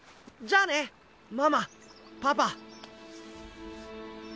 じゃあねママパパ。